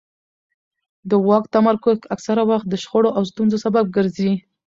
د واک تمرکز اکثره وخت د شخړو او ستونزو سبب ګرځي